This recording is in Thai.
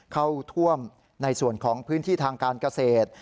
เข้าท่วมในส่วนของพื้นที่ทางการเกษตร